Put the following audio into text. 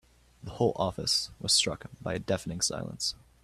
The whole office was struck by a deafening silence.